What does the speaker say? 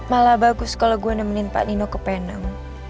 malah bagus kalau gue nemenin pak nino ke penang